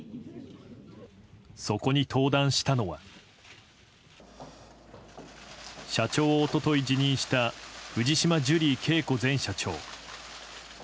そこに登壇したのは社長を一昨日辞任した藤島ジュリー景子前社長。